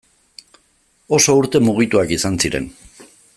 Oso urte mugituak izan ziren.